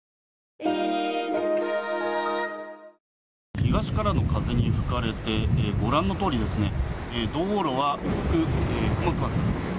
東からの風に吹かれて、ご覧のとおり、道路は薄く曇っています。